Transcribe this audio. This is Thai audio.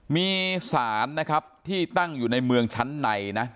มีสารนะครับที่ตั้งอยู่ในเมืองชั้นในนะ